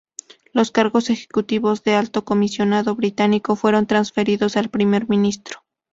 Los cargos ejecutivos del Alto Comisionado británico fueron transferidos al Primer Ministro.